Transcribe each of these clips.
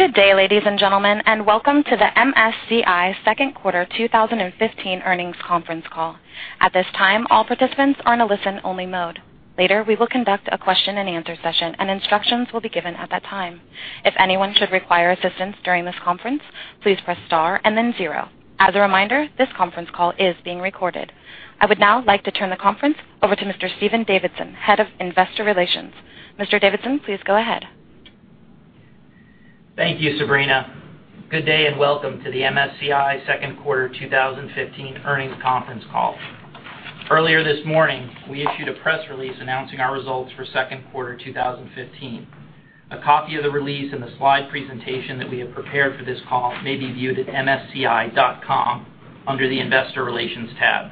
Good day, ladies and gentlemen, welcome to the MSCI second quarter 2015 earnings conference call. At this time, all participants are in a listen-only mode. Later, we will conduct a question-and-answer session, and instructions will be given at that time. If anyone should require assistance during this conference, please press star and then zero. As a reminder, this conference call is being recorded. I would now like to turn the conference over to Mr. Stephen Davidson, Head of Investor Relations. Mr. Davidson, please go ahead. Thank you, Sabrina. Good day, welcome to the MSCI second quarter 2015 earnings conference call. Earlier this morning, we issued a press release announcing our results for second quarter 2015. A copy of the release and the slide presentation that we have prepared for this call may be viewed at msci.com under the investor relations tab.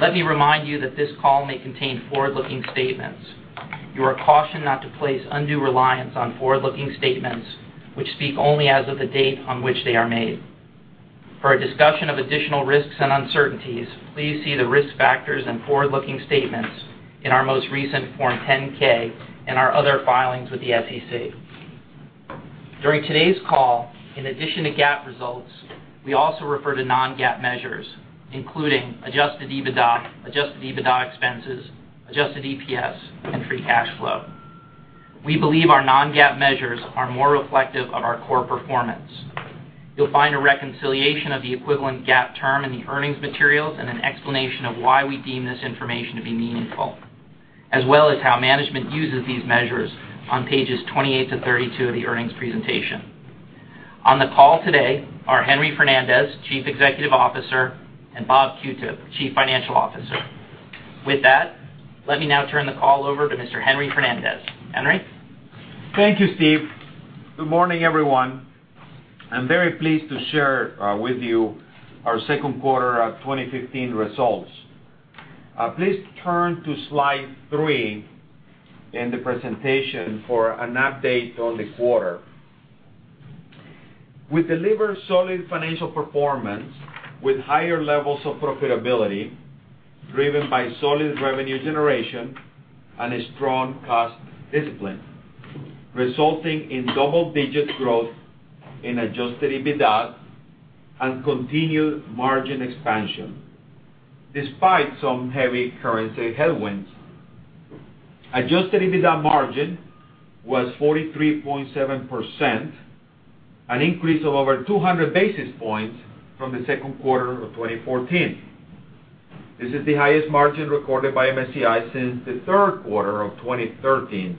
Let me remind you that this call may contain forward-looking statements. You are cautioned not to place undue reliance on forward-looking statements, which speak only as of the date on which they are made. For a discussion of additional risks and uncertainties, please see the risk factors and forward-looking statements in our most recent Form 10-K and our other filings with the SEC. During today's call, in addition to GAAP results, we also refer to non-GAAP measures, including Adjusted EBITDA, adjusted EBITDA expenses, adjusted EPS, and free cash flow. We believe our non-GAAP measures are more reflective of our core performance. You'll find a reconciliation of the equivalent GAAP term in the earnings materials and an explanation of why we deem this information to be meaningful, as well as how management uses these measures on pages 28 to 32 of the earnings presentation. On the call today are Henry Fernandez, Chief Executive Officer, and Bob Qutub, Chief Financial Officer. With that, let me now turn the call over to Mr. Henry Fernandez. Henry? Thank you, Steve. Good morning, everyone. I'm very pleased to share with you our second quarter of 2015 results. Please turn to Slide three in the presentation for an update on the quarter. We delivered solid financial performance with higher levels of profitability, driven by solid revenue generation and a strong cost discipline, resulting in double-digit growth in Adjusted EBITDA and continued margin expansion, despite some heavy currency headwinds. Adjusted EBITDA margin was 43.7%, an increase of over 200 basis points from the second quarter of 2014. This is the highest margin recorded by MSCI since the third quarter of 2013.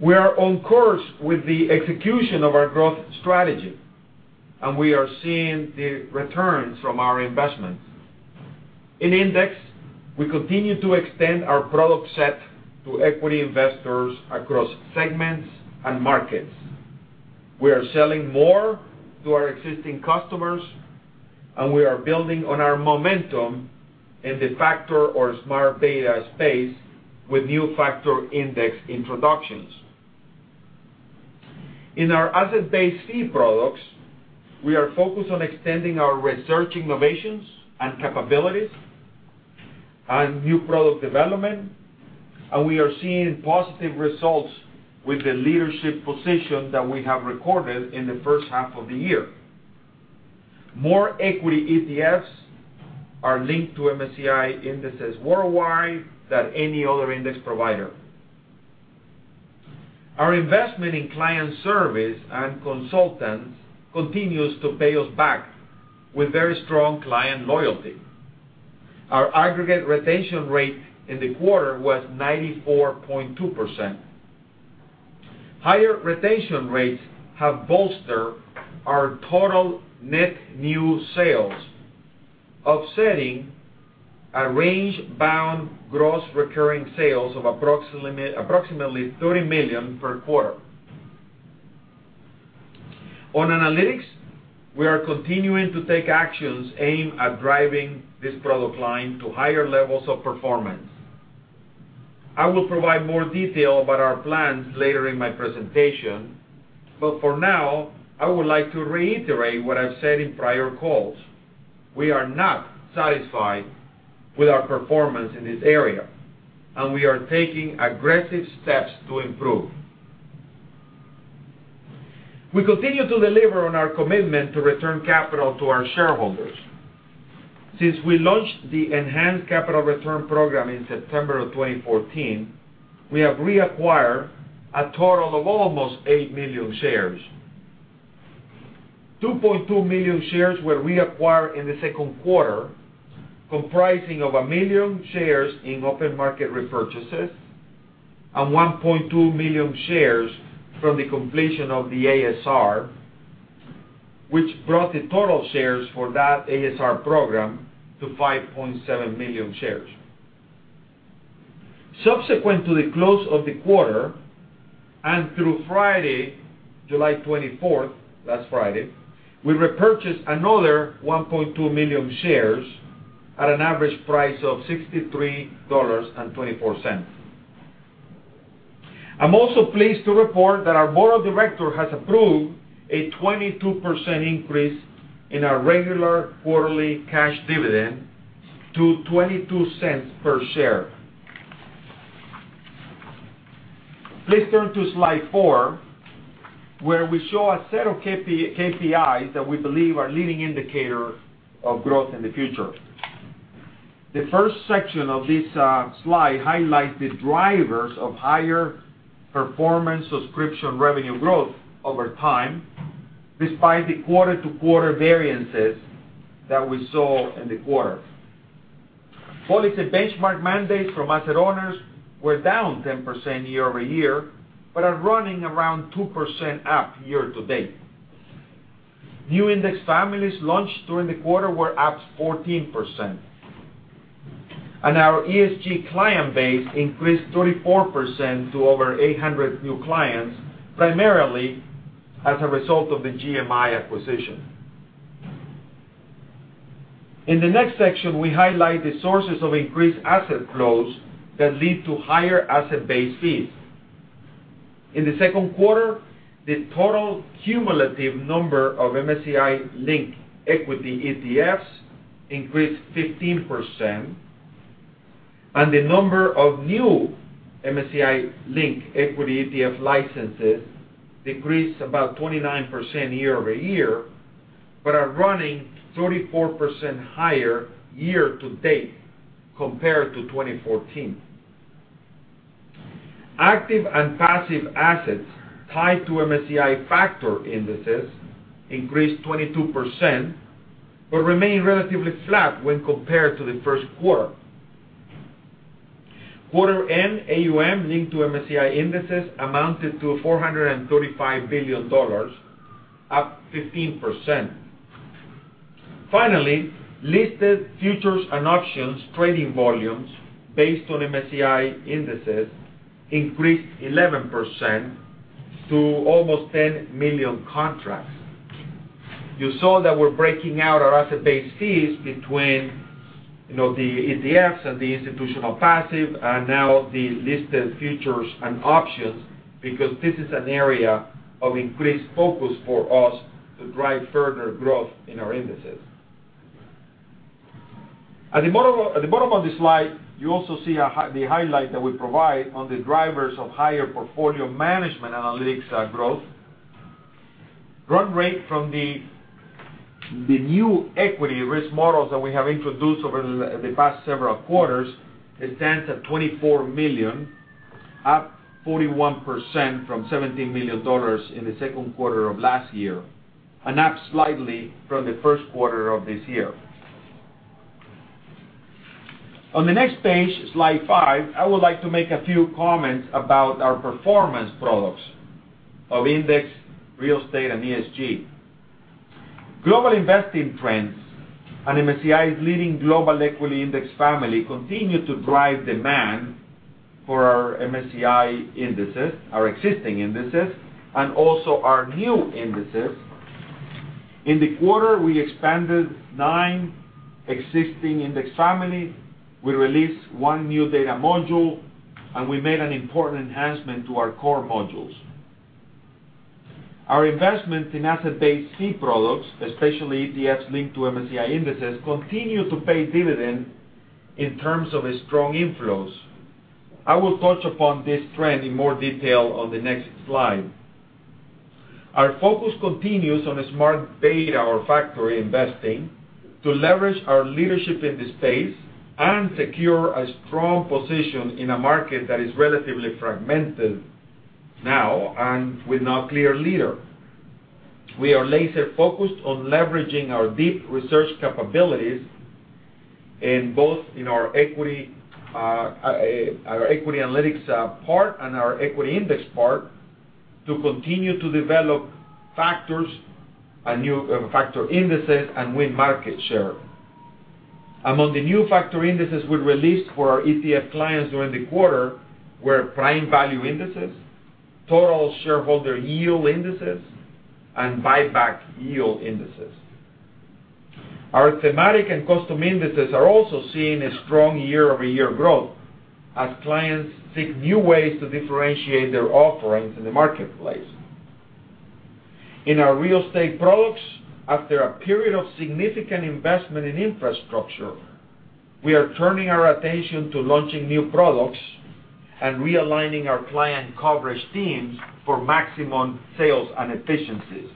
We are on course with the execution of our growth strategy, we are seeing the returns from our investments. In Index, we continue to extend our product set to equity investors across segments and markets. We are selling more to our existing customers, and we are building on our momentum in the factor or smart beta space with new factor index introductions. In our asset-based fee products, we are focused on extending our research innovations and capabilities and new product development, and we are seeing positive results with the leadership position that we have recorded in the first half of the year. More equity ETFs are linked to MSCI indexes worldwide than any other index provider. Our investment in client service and consultants continues to pay us back with very strong client loyalty. Our aggregate retention rate in the quarter was 94.2%. Higher retention rates have bolstered our total net new sales, offsetting a range-bound gross recurring sales of approximately $30 million per quarter. On analytics, we are continuing to take actions aimed at driving this product line to higher levels of performance. I will provide more detail about our plans later in my presentation. For now, I would like to reiterate what I've said in prior calls. We are not satisfied with our performance in this area, and we are taking aggressive steps to improve. We continue to deliver on our commitment to return capital to our shareholders. Since we launched the enhanced capital return program in September of 2014, we have reacquired a total of almost 8 million shares. 2.2 million shares were reacquired in the second quarter, comprising of 1 million shares in open market repurchases and 1.2 million shares from the completion of the ASR, which brought the total shares for that ASR program to 5.7 million shares. Subsequent to the close of the quarter and through Friday, July 24th, last Friday, we repurchased another 1.2 million shares at an average price of $63.24. I'm also pleased to report that our board of directors has approved a 22% increase in our regular quarterly cash dividend to $0.22 per share. Please turn to slide four, where we show a set of KPIs that we believe are leading indicators of growth in the future. The first section of this slide highlights the drivers of higher performance subscription revenue growth over time, despite the quarter-to-quarter variances that we saw in the quarter. Policy benchmark mandates from asset owners were down 10% year-over-year, but are running around 2% up year-to-date. New index families launched during the quarter were up 14%. Our ESG client base increased 34% to over 800 new clients, primarily as a result of the GMI acquisition. In the next section, we highlight the sources of increased asset flows that lead to higher asset-based fees. In the second quarter, the total cumulative number of MSCI-linked equity ETFs increased 15%, and the number of new MSCI-linked equity ETF licenses decreased about 29% year-over-year, but are running 34% higher year-to-date compared to 2014. Active and passive assets tied to MSCI Factor Indexes increased 22%, but remain relatively flat when compared to the first quarter. Quarter end AUM linked to MSCI indexes amounted to $435 billion, up 15%. Finally, listed futures and options trading volumes based on MSCI indexes increased 11% to almost 10 million contracts. You saw that we're breaking out our asset-based fees between the ETFs and the institutional passive, and now the listed futures and options, because this is an area of increased focus for us to drive further growth in our indices. At the bottom of the slide, you also see the highlight that we provide on the drivers of higher portfolio management analytics growth. Run rate from the new equity risk models that we have introduced over the past several quarters stands at $24 million, up 41% from $17 million in the second quarter of last year. Up slightly from the first quarter of this year. On the next page, slide five, I would like to make a few comments about our performance products of index, real estate, and ESG. Global investing trends and MSCI's leading global equity index family continue to drive demand for our MSCI indices, our existing indices, and also our new indices. In the quarter, we expanded nine existing index families, we released one new data module, and we made an important enhancement to our core modules. Our investment in asset-based fee products, especially ETFs linked to MSCI indices, continue to pay dividend in terms of strong inflows. I will touch upon this trend in more detail on the next slide. Our focus continues on smart beta or factor investing to leverage our leadership in the space and secure a strong position in a market that is relatively fragmented now, and with no clear leader. We are laser-focused on leveraging our deep research capabilities in both our equity analytics part and our equity index part to continue to develop factors and new factor indices and win market share. Among the new factor indices we released for our ETF clients during the quarter were Prime Value Indices, Total Shareholder Yield Indices, and Buyback Yield Indices. Our thematic and custom indices are also seeing a strong year-over-year growth as clients seek new ways to differentiate their offerings in the marketplace. In our real estate products, after a period of significant investment in infrastructure, we are turning our attention to launching new products and realigning our client coverage teams for maximum sales and efficiencies.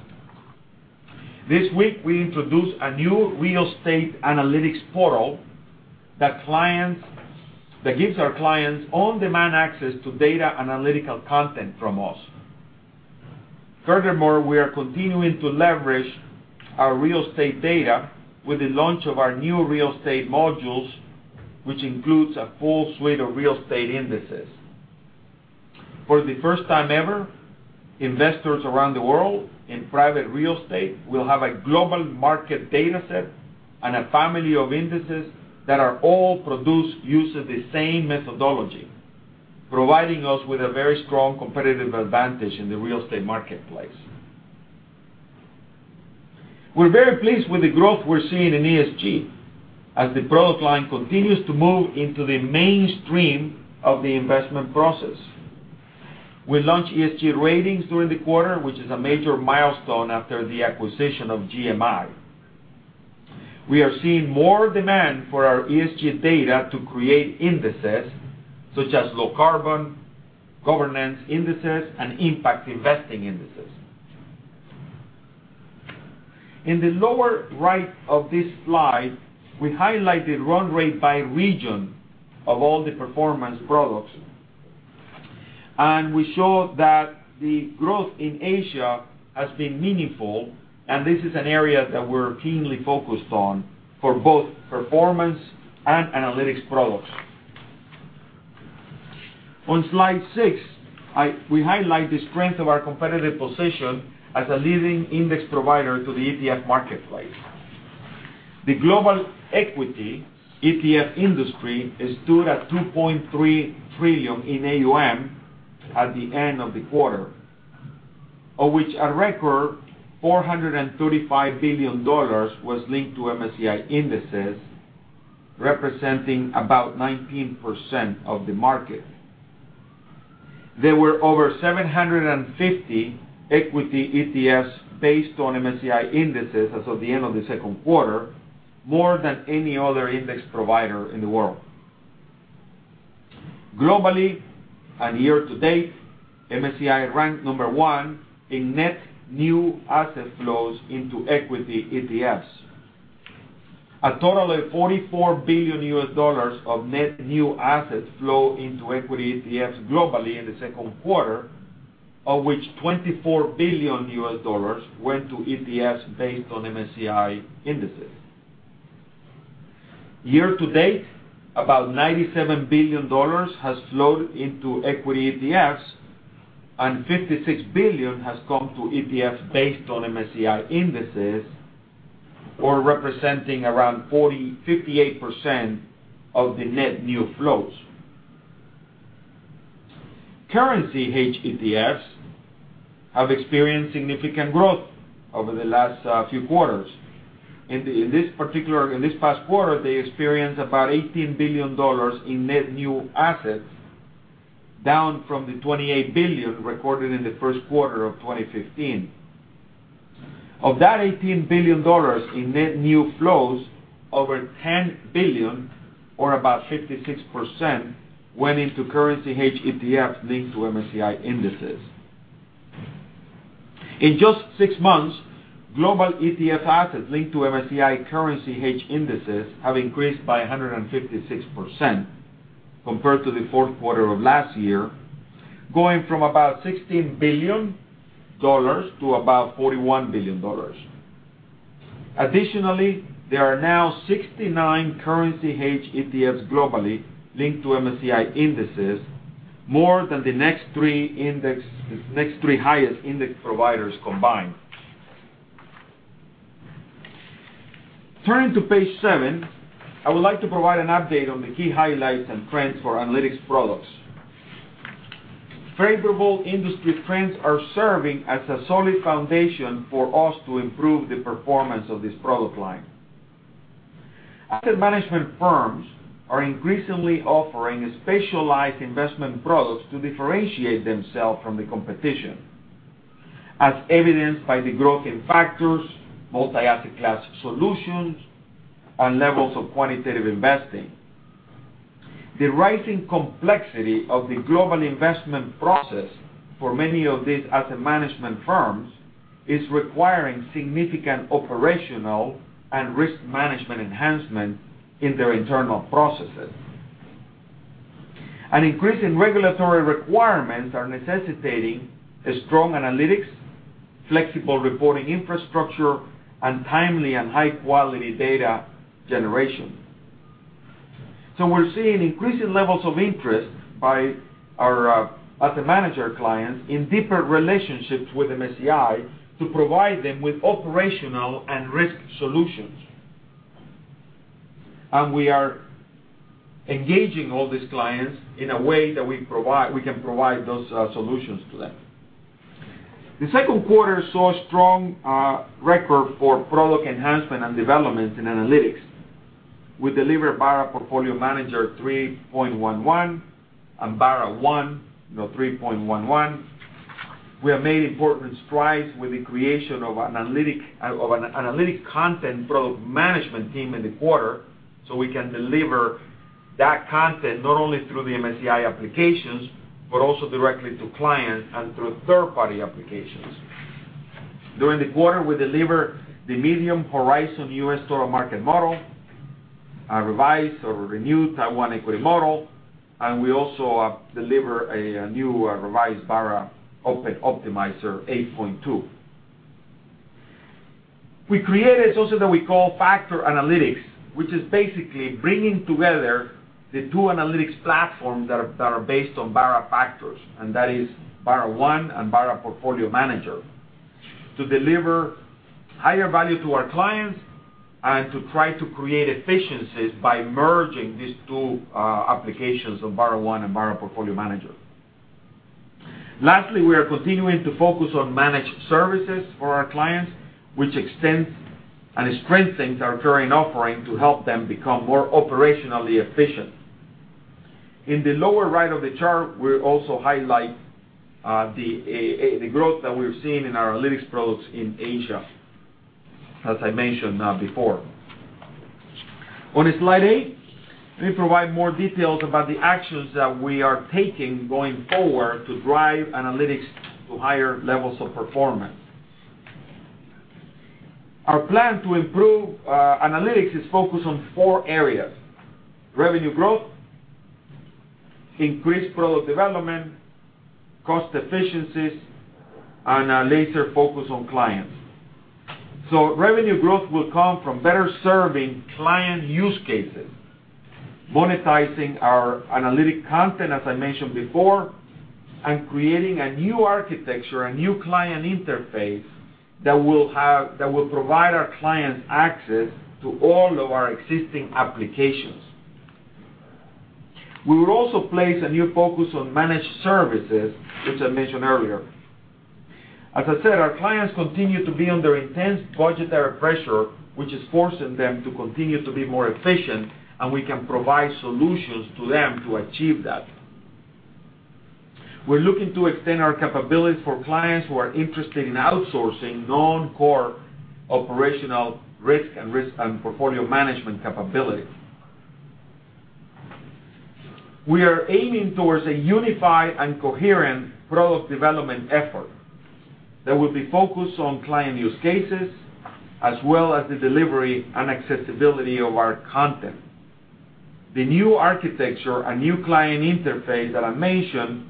This week, we introduced a new real estate analytics portal that gives our clients on-demand access to data analytical content from us. Furthermore, we are continuing to leverage our real estate data with the launch of our new real estate modules, which includes a full suite of real estate indices. For the first time ever, investors around the world in private real estate will have a global market data set and a family of indices that are all produced using the same methodology, providing us with a very strong competitive advantage in the real estate marketplace. We're very pleased with the growth we're seeing in ESG, as the product line continues to move into the mainstream of the investment process. We launched ESG Ratings during the quarter, which is a major milestone after the acquisition of GMI. We are seeing more demand for our ESG data to create indices, such as low carbon, governance indices, and impact investing indices. In the lower right of this slide, we highlighted run rate by region of all the performance products. We show that the growth in Asia has been meaningful, and this is an area that we're keenly focused on for both performance and analytics products. On slide six, we highlight the strength of our competitive position as a leading index provider to the ETF marketplace. The global equity ETF industry stood at $2.3 trillion in AUM at the end of the quarter, of which a record $435 billion was linked to MSCI indices, representing about 19% of the market. There were over 750 equity ETFs based on MSCI indices as of the end of the second quarter, more than any other index provider in the world. Globally and year-to-date, MSCI ranked number one in net new asset flows into equity ETFs. A total of $44 billion of net new assets flow into equity ETFs globally in the second quarter, of which $24 billion went to ETFs based on MSCI indices. Year-to-date, about $97 billion has flowed into equity ETFs, and $56 billion has come to ETFs based on MSCI indices or representing around 58% of the net new flows. Currency Hedged ETFs have experienced significant growth over the last few quarters. In this past quarter, they experienced about $18 billion in net new assets, down from the $28 billion recorded in the first quarter of 2015. Of that $18 billion in net new flows, over $10 billion or about 56% went into Currency Hedged ETFs linked to MSCI indices. In just six months, global ETF assets linked to MSCI Currency Hedged indices have increased by 156% compared to the fourth quarter of last year, going from about $16 billion to about $41 billion. Additionally, there are now 69 Currency Hedged ETFs globally linked to MSCI indices, more than the next three highest index providers combined. Turning to page seven, I would like to provide an update on the key highlights and trends for analytics products. Favorable industry trends are serving as a solid foundation for us to improve the performance of this product line. Asset management firms are increasingly offering specialized investment products to differentiate themselves from the competition, as evidenced by the growth in factors, multi-asset class solutions, and levels of quantitative investing. The rising complexity of the global investment process for many of these asset management firms is requiring significant operational and risk management enhancement in their internal processes. Increasing regulatory requirements are necessitating a strong analytics, flexible reporting infrastructure, and timely and high-quality data generation. We're seeing increasing levels of interest by our asset manager clients in deeper relationships with MSCI to provide them with operational and risk solutions. We are engaging all these clients in a way that we can provide those solutions to them. The second quarter saw a strong record for product enhancement and development in analytics. We delivered Barra Portfolio Manager 3.11 and BarraOne 3.11. We have made important strides with the creation of an analytic content product management team in the quarter, so we can deliver that content not only through the MSCI applications, but also directly to clients and through third-party applications. During the quarter, we delivered the Medium Horizon U.S. Total Market Model, a revised or renewed Taiwan Equity Model, and we also delivered a new revised Barra Open Optimizer 8.2. We created something that we call Factor Analytics, which is basically bringing together the two analytics platforms that are based on Barra factors, and that is BarraOne and Barra Portfolio Manager, to deliver higher value to our clients and to try to create efficiencies by merging these two applications of BarraOne and Barra Portfolio Manager. Lastly, we are continuing to focus on managed services for our clients, which extends And strengthen our current offering to help them become more operationally efficient. In the lower right of the chart, we also highlight the growth that we're seeing in our analytics products in Asia, as I mentioned before. On slide eight, we provide more details about the actions that we are taking going forward to drive analytics to higher levels of performance. Our plan to improve analytics is focused on four areas: revenue growth, increased product development, cost efficiencies, and a laser focus on clients. Revenue growth will come from better serving client use cases, monetizing our analytic content, as I mentioned before, and creating a new architecture, a new client interface that will provide our clients access to all of our existing applications. We will also place a new focus on managed services, which I mentioned earlier. As I said, our clients continue to be under intense budgetary pressure, which is forcing them to continue to be more efficient, and we can provide solutions to them to achieve that. We're looking to extend our capabilities for clients who are interested in outsourcing non-core operational risk and portfolio management capability. We are aiming towards a unified and coherent product development effort that will be focused on client use cases, as well as the delivery and accessibility of our content. The new architecture and new client interface that I mentioned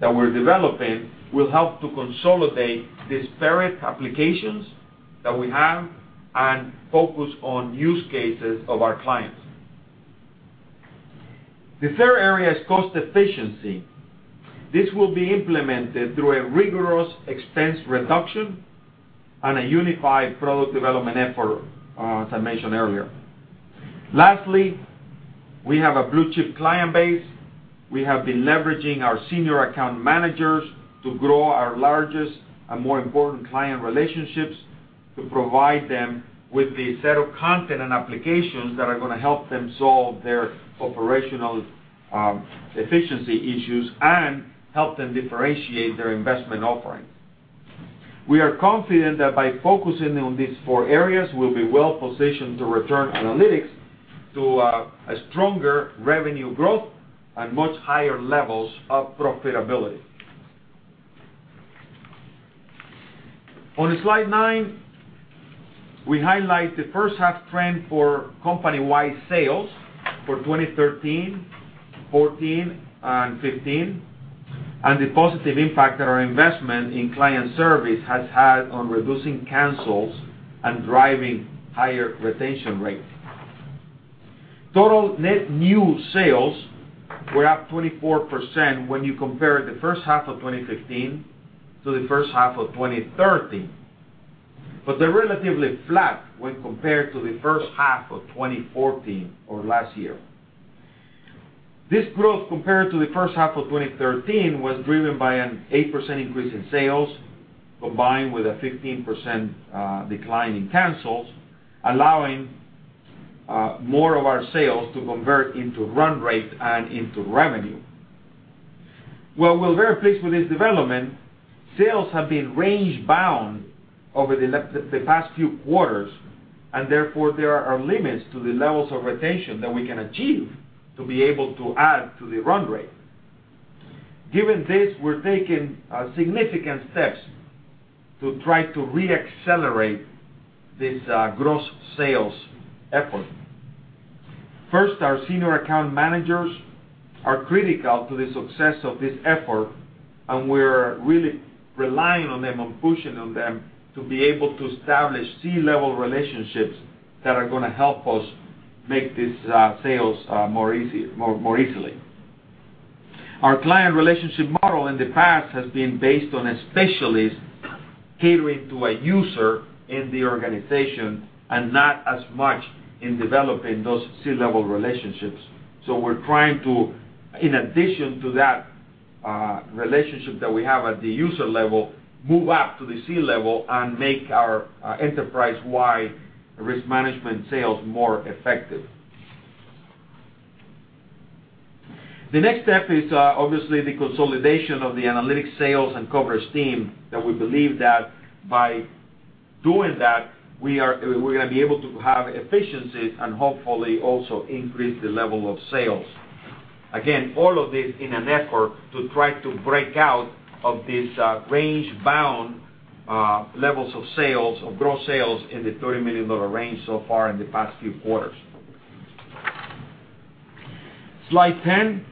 that we're developing will help to consolidate disparate applications that we have and focus on use cases of our clients. The third area is cost efficiency. This will be implemented through a rigorous expense reduction and a unified product development effort, as I mentioned earlier. Lastly, we have a blue-chip client base. We have been leveraging our senior account managers to grow our largest and more important client relationships to provide them with the set of content and applications that are going to help them solve their operational efficiency issues and help them differentiate their investment offering. We are confident that by focusing on these four areas, we'll be well-positioned to return analytics to a stronger revenue growth and much higher levels of profitability. On slide nine, we highlight the first half trend for company-wide sales for 2013, 2014, and 2015, and the positive impact that our investment in client service has had on reducing cancels and driving higher retention rates. Total net new sales were up 24% when you compare the first half of 2015 to the first half of 2013, but they're relatively flat when compared to the first half of 2014 or last year. This growth, compared to the first half of 2013, was driven by an 8% increase in sales, combined with a 15% decline in cancels, allowing more of our sales to convert into run rate and into revenue. While we're very pleased with this development, sales have been range-bound over the past few quarters, and therefore, there are limits to the levels of retention that we can achieve to be able to add to the run rate. Given this, we're taking significant steps to try to re-accelerate this gross sales effort. First, our senior account managers are critical to the success of this effort, and we're really relying on them and pushing on them to be able to establish C-level relationships that are going to help us make these sales more easily. Our client relationship model in the past has been based on a specialist catering to a user in the organization and not as much in developing those C-level relationships. We're trying to, in addition to that relationship that we have at the user level, move up to the C-level and make our enterprise-wide risk management sales more effective. The next step is obviously the consolidation of the analytics sales and coverage team that we believe that by doing that, we're going to be able to have efficiencies and hopefully also increase the level of sales. Again, all of this in an effort to try to break out of this range-bound levels of sales, of gross sales in the $30 million range so far in the past few quarters. Slide 10,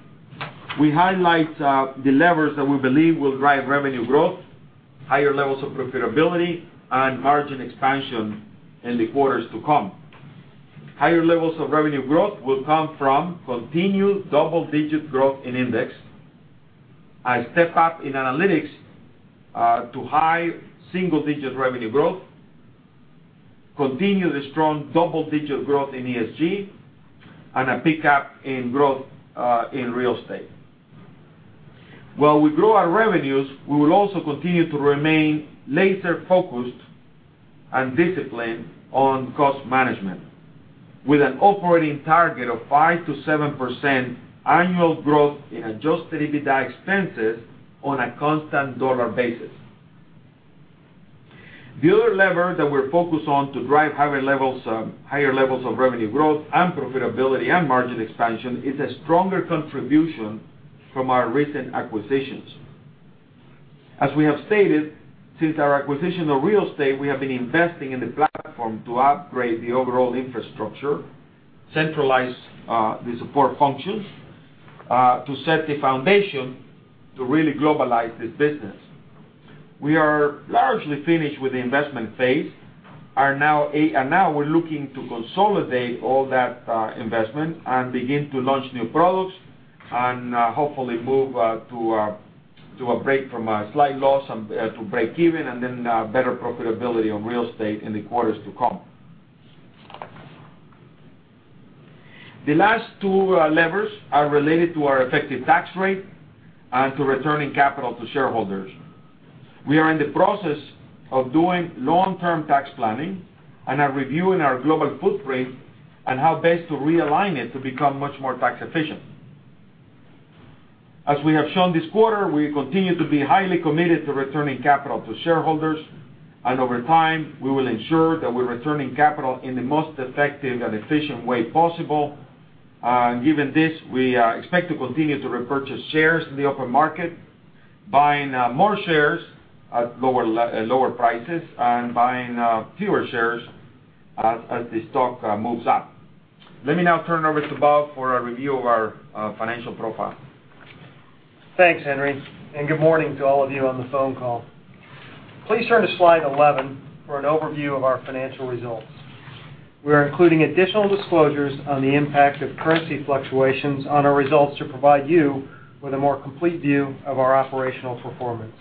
we highlight the levers that we believe will drive revenue growth, higher levels of profitability, and margin expansion in the quarters to come. Higher levels of revenue growth will come from continued double-digit growth in index, a step up in analytics to high single-digit revenue growth, continue the strong double-digit growth in ESG, and a pick up in growth in real estate. While we grow our revenues, we will also continue to remain laser focused and disciplined on cost management, with an operating target of 5%-7% annual growth in adjusted EBITDA expenses on a constant dollar basis. The other lever that we're focused on to drive higher levels of revenue growth, and profitability, and margin expansion is a stronger contribution from our recent acquisitions. As we have stated, since our acquisition of real estate, we have been investing in the platform to upgrade the overall infrastructure, centralize the support functions to set the foundation to really globalize this business. We are largely finished with the investment phase, and now we're looking to consolidate all that investment and begin to launch new products and hopefully move to a break from a slight loss to breakeven, and then better profitability on real estate in the quarters to come. The last two levers are related to our effective tax rate and to returning capital to shareholders. We are in the process of doing long-term tax planning and are reviewing our global footprint and how best to realign it to become much more tax efficient. As we have shown this quarter, we continue to be highly committed to returning capital to shareholders, and over time, we will ensure that we're returning capital in the most effective and efficient way possible. Given this, we expect to continue to repurchase shares in the open market, buying more shares at lower prices and buying fewer shares as the stock moves up. Let me now turn it over to Bob for a review of our financial profile. Thanks, Henry, and good morning to all of you on the phone call. Please turn to Slide 11 for an overview of our financial results. We are including additional disclosures on the impact of currency fluctuations on our results to provide you with a more complete view of our operational performance.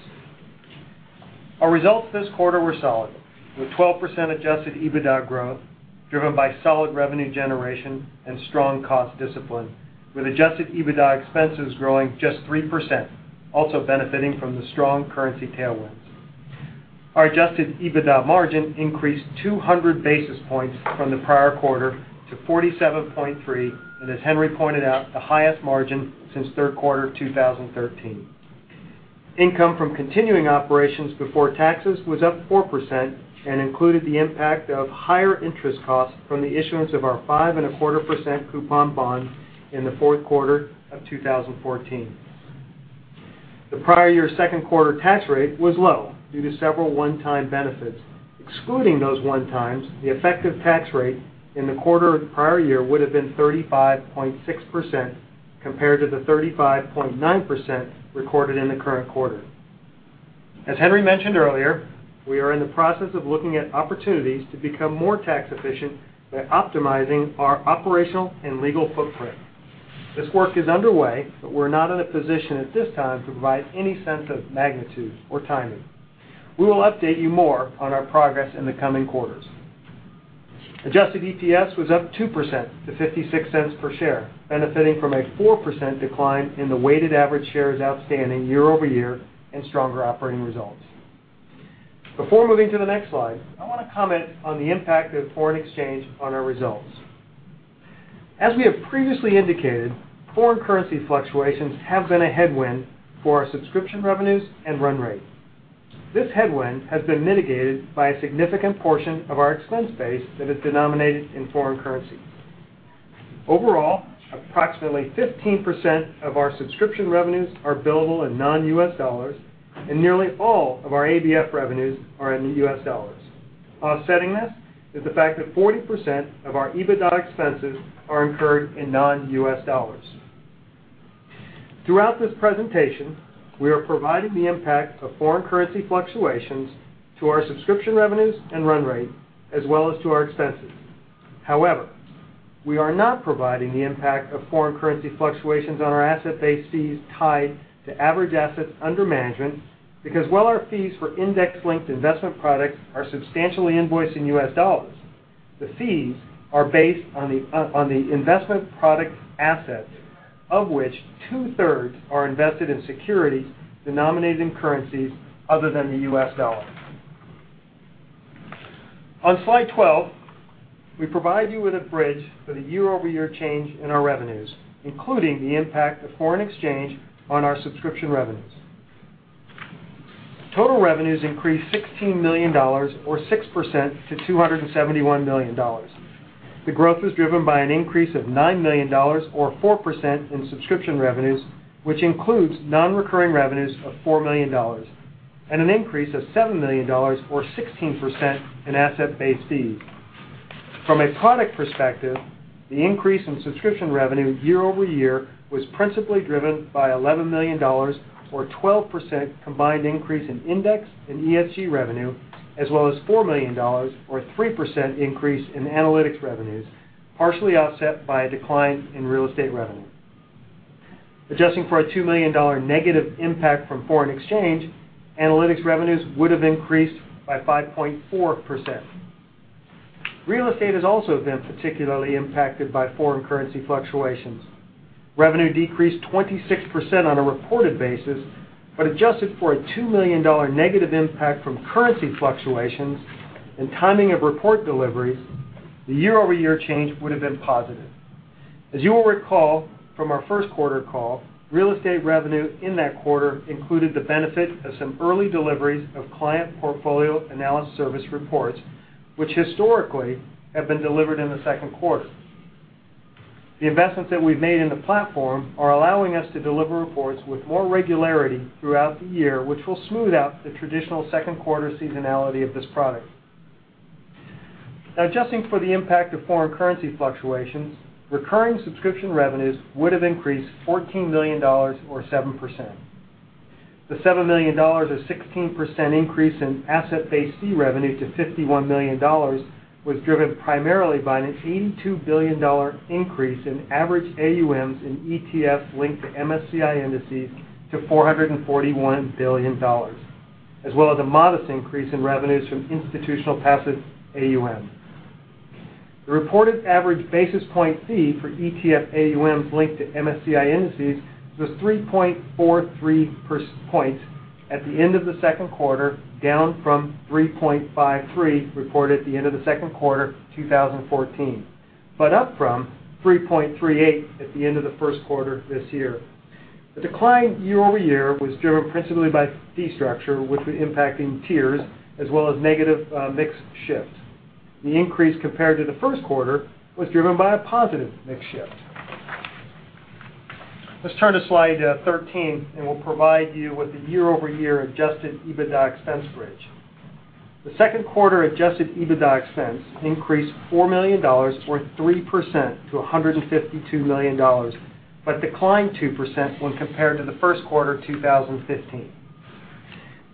Our results this quarter were solid, with 12% Adjusted EBITDA growth driven by solid revenue generation and strong cost discipline, with Adjusted EBITDA expenses growing just 3%, also benefiting from the strong currency tailwinds. Our Adjusted EBITDA margin increased 200 basis points from the prior quarter to 47.3%, and as Henry pointed out, the highest margin since third quarter 2013. Income from continuing operations before taxes was up 4% and included the impact of higher interest costs from the issuance of our 5.25% coupon bond in the fourth quarter of 2014. The prior year second quarter tax rate was low due to several one-time benefits. Excluding those one-times, the effective tax rate in the quarter of the prior year would have been 35.6%, compared to the 35.9% recorded in the current quarter. As Henry mentioned earlier, we are in the process of looking at opportunities to become more tax efficient by optimizing our operational and legal footprint. This work is underway, but we're not in a position at this time to provide any sense of magnitude or timing. We will update you more on our progress in the coming quarters. Adjusted EPS was up 2% to $0.56 per share, benefiting from a 4% decline in the weighted average shares outstanding year-over-year and stronger operating results. Before moving to the next slide, I want to comment on the impact of foreign exchange on our results. As we have previously indicated, foreign currency fluctuations have been a headwind for our subscription revenues and run rate. This headwind has been mitigated by a significant portion of our expense base that is denominated in foreign currency. Overall, approximately 15% of our subscription revenues are billable in non-U.S. dollars, and nearly all of our ABF revenues are in the U.S. dollars. Offsetting this is the fact that 40% of our EBITDA expenses are incurred in non-U.S. dollars. Throughout this presentation, we are providing the impact of foreign currency fluctuations to our subscription revenues and run rate, as well as to our expenses. However, we are not providing the impact of foreign currency fluctuations on our asset-based fees tied to average assets under management because while our fees for index-linked investment products are substantially invoiced in US dollars, the fees are based on the investment product assets, of which two-thirds are invested in securities denominated in currencies other than the US dollar. On Slide 12, we provide you with a bridge for the year-over-year change in our revenues, including the impact of foreign exchange on our subscription revenues. Total revenues increased $16 million or 6% to $271 million. The growth was driven by an increase of $9 million or 4% in subscription revenues, which includes non-recurring revenues of $4 million, and an increase of $7 million or 16% in asset-based fees. From a product perspective, the increase in subscription revenue year-over-year was principally driven by $11 million or 12% combined increase in index and ESG revenue, as well as $4 million or 3% increase in analytics revenues, partially offset by a decline in real estate revenue. Adjusting for a $2 million negative impact from foreign exchange, analytics revenues would have increased by 5.4%. Real estate has also been particularly impacted by foreign currency fluctuations. Revenue decreased 26% on a reported basis, but adjusted for a $2 million negative impact from currency fluctuations and timing of report deliveries, the year-over-year change would have been positive. As you will recall from our first quarter call, real estate revenue in that quarter included the benefit of some early deliveries of client portfolio analysis service reports, which historically have been delivered in the second quarter. The investments that we've made in the platform are allowing us to deliver reports with more regularity throughout the year, which will smooth out the traditional second quarter seasonality of this product. Now, adjusting for the impact of foreign currency fluctuations, recurring subscription revenues would have increased $14 million, or 7%. The $7 million, a 16% increase in asset-based fee revenue to $51 million, was driven primarily by an $82 billion increase in average AUMs in ETF linked to MSCI indices to $441 billion, as well as a modest increase in revenues from institutional passive AUM. The reported average basis point fee for ETF AUMs linked to MSCI indices was 3.43 points at the end of the second quarter, down from 3.53 reported at the end of the second quarter 2014, but up from 3.38 at the end of the first quarter this year. The decline year-over-year was driven principally by fee structure, with the impacting tiers as well as negative mix shifts. The increase compared to the first quarter was driven by a positive mix shift. Let's turn to Slide 13, and we'll provide you with the year-over-year Adjusted EBITDA expense bridge. The second quarter Adjusted EBITDA expense increased $4 million, or 3%, to $152 million, but declined 2% when compared to the first quarter 2015.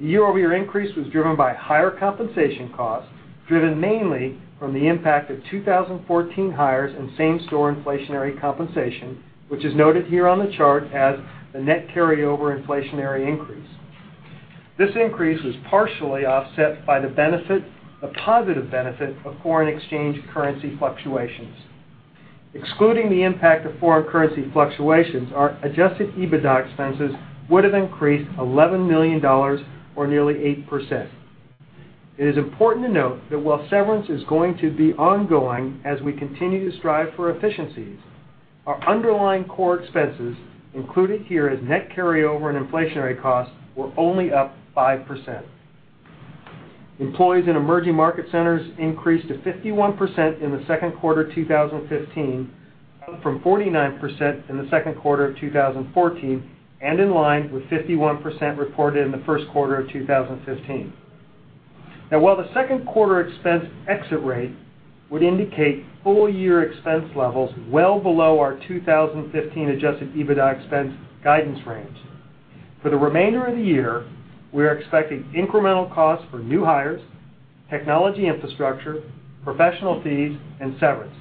The year-over-year increase was driven by higher compensation costs, driven mainly from the impact of 2014 hires and same-store inflationary compensation, which is noted here on the chart as the net carryover inflationary increase. This increase was partially offset by the benefit, a positive benefit, of foreign exchange currency fluctuations. Excluding the impact of foreign currency fluctuations, our Adjusted EBITDA expenses would have increased $11 million, or nearly 8%. It is important to note that while severance is going to be ongoing as we continue to strive for efficiencies, our underlying core expenses, included here as net carryover and inflationary costs, were only up 5%. Employees in emerging market centers increased to 51% in the second quarter 2015, up from 49% in the second quarter of 2014 and in line with 51% reported in the first quarter of 2015. While the second quarter expense exit rate would indicate full year expense levels well below our 2015 adjusted EBITDA expense guidance range. For the remainder of the year, we are expecting incremental costs for new hires, technology infrastructure, professional fees and severance.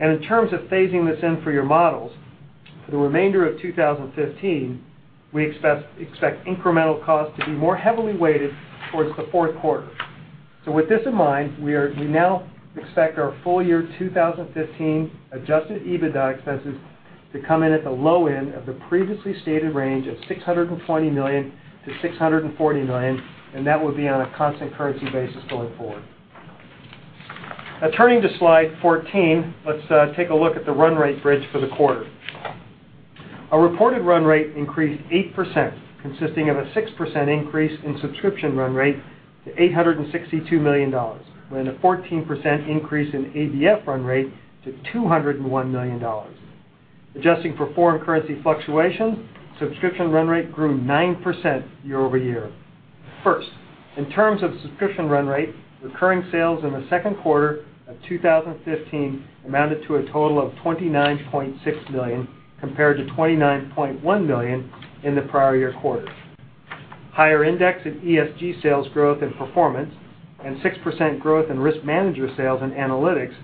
In terms of phasing this in for your models, for the remainder of 2015, we expect incremental costs to be more heavily weighted towards the fourth quarter. With this in mind, we now expect our full year 2015 adjusted EBITDA expenses to come in at the low end of the previously stated range of $620 million-$640 million, and that would be on a constant currency basis going forward. Turning to slide 14, let's take a look at the run rate bridge for the quarter. Our reported run rate increased 8%, consisting of a 6% increase in subscription run rate to $862 million, and a 14% increase in ABF run rate to $201 million. Adjusting for foreign currency fluctuation, subscription run rate grew 9% year-over-year. First, in terms of subscription run rate, recurring sales in the second quarter of 2015 amounted to a total of $29.6 million, compared to $29.1 million in the prior year quarter. Higher index and ESG sales growth and performance, and 6% growth in RiskManager sales and analytics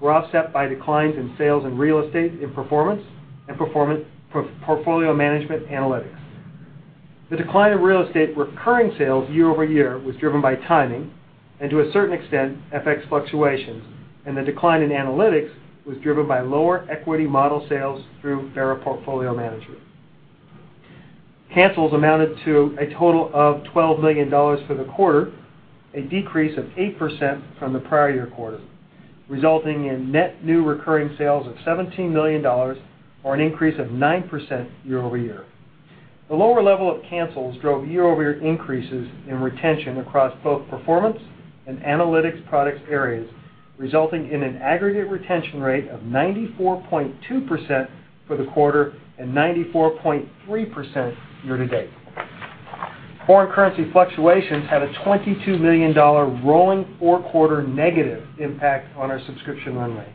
were offset by declines in sales in real estate in performance and portfolio management analytics. The decline in real estate recurring sales year-over-year was driven by timing and, to a certain extent, FX fluctuations, and the decline in analytics was driven by lower equity model sales through Barra Portfolio Manager. Cancels amounted to a total of $12 million for the quarter, a decrease of 8% from the prior year quarter, resulting in net new recurring sales of $17 million, or an increase of 9% year-over-year. The lower level of cancels drove year-over-year increases in retention across both performance and analytics product areas, resulting in an aggregate retention rate of 94.2% for the quarter and 94.3% year-to-date. Foreign currency fluctuations had a $22 million rolling four-quarter negative impact on our subscription run rate.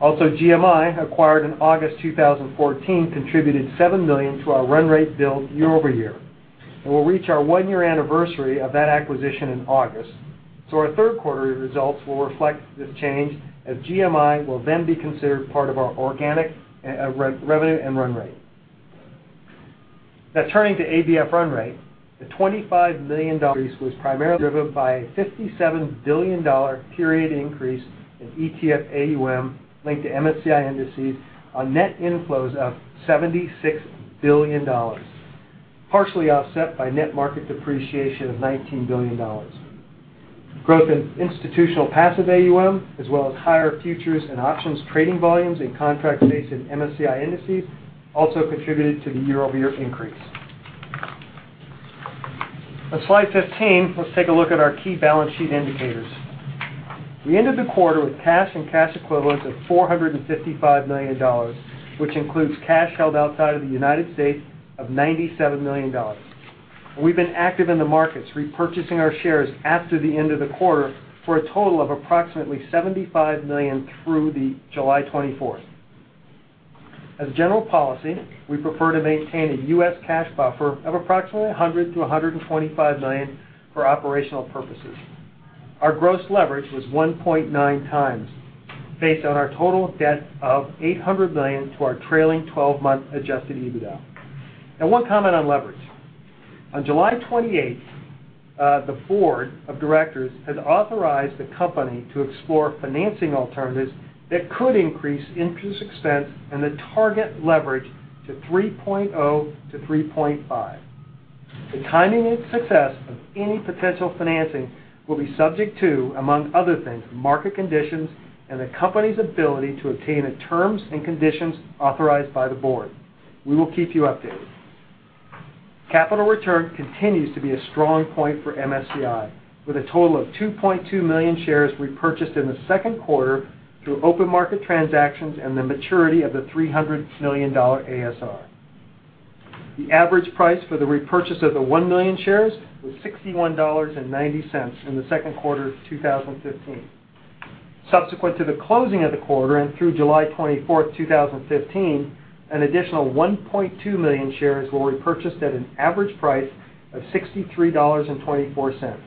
Also, GMI, acquired in August 2014, contributed $7 million to our run rate build year-over-year, and we'll reach our one-year anniversary of that acquisition in August. Our third quarter results will reflect this change, as GMI will then be considered part of our organic revenue and run rate. Turning to ABF run rate, the $25 million increase was primarily driven by a $57 billion period increase in ETF AUM linked to MSCI indices on net inflows of $76 billion, partially offset by net market depreciation of $19 billion. Growth in institutional passive AUM, as well as higher futures and options trading volumes in contract-based and MSCI indices also contributed to the year-over-year increase. On slide 15, let's take a look at our key balance sheet indicators. We ended the quarter with cash and cash equivalents of $455 million, which includes cash held outside of the U.S. of $97 million. We've been active in the markets, repurchasing our shares after the end of the quarter for a total of approximately $75 million through July 24th. As general policy, we prefer to maintain a U.S. cash buffer of approximately $100 million-$125 million for operational purposes. Our gross leverage was 1.9x, based on our total debt of $800 million to our trailing 12-month Adjusted EBITDA. One comment on leverage. On July 28th, the board of directors has authorized the company to explore financing alternatives that could increase interest expense and the target leverage to 3.0-3.5. The timing and success of any potential financing will be subject to, among other things, market conditions and the company's ability to obtain the terms and conditions authorized by the board. We will keep you updated. Capital return continues to be a strong point for MSCI, with a total of 2.2 million shares repurchased in the second quarter through open market transactions and the maturity of the $300 million ASR. The average price for the repurchase of the 1 million shares was $61.90 in the second quarter of 2015. Subsequent to the closing of the quarter and through July 24th, 2015, an additional 1.2 million shares were repurchased at an average price of $63.24.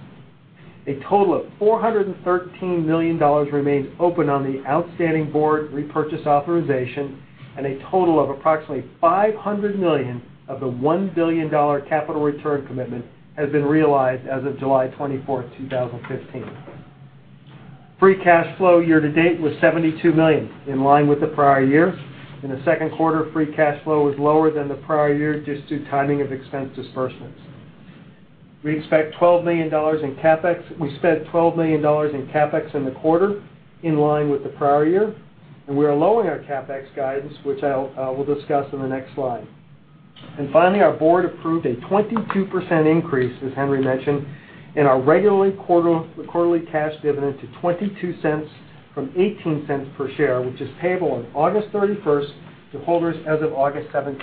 A total of $413 million remains open on the outstanding board repurchase authorization, and a total of approximately $500 million of the $1 billion capital return commitment has been realized as of July 24th, 2015. free cash flow year-to-date was $72 million, in line with the prior year. In the second quarter, free cash flow was lower than the prior year due to timing of expense disbursements. We spent $12 million in CapEx in the quarter, in line with the prior year. We are lowering our CapEx guidance, which I will discuss in the next slide. Finally, our board approved a 22% increase, as Henry mentioned, in our regularly quarterly cash dividend to $0.22 from $0.18 per share, which is payable on August 31st to holders as of August 17th.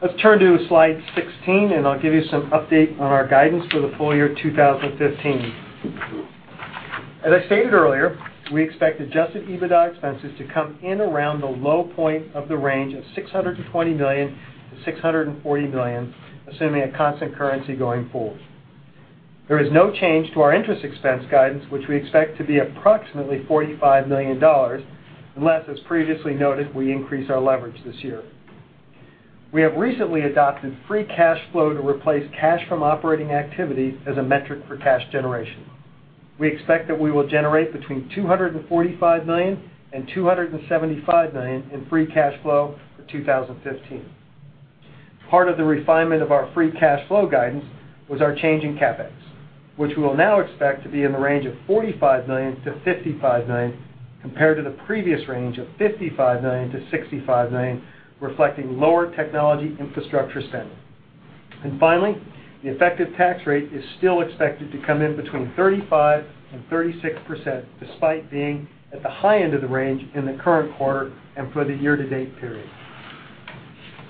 Let's turn to slide 16. I'll give you some update on our guidance for the full year 2015. As I stated earlier, we expect Adjusted EBITDA expenses to come in around the low point of the range of $620 million-$640 million, assuming a constant currency going forward. There is no change to our interest expense guidance, which we expect to be approximately $45 million, unless, as previously noted, we increase our leverage this year. We have recently adopted free cash flow to replace cash from operating activity as a metric for cash generation. We expect that we will generate between $245 million and $275 million in free cash flow for 2015. Part of the refinement of our free cash flow guidance was our change in CapEx, which we will now expect to be in the range of $45 million-$55 million, compared to the previous range of $55 million-$65 million, reflecting lower technology infrastructure spend. Finally, the effective tax rate is still expected to come in between 35%-36%, despite being at the high end of the range in the current quarter and for the year-to-date period.